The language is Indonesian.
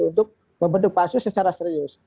untuk membentuk pansus secara serius